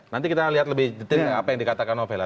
nanti kita lihat lebih detail apa yang dikatakan novela